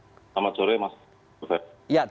selamat sore mas